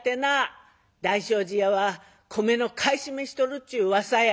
「大正寺屋は米の買い占めしとるっちゅううわさや」。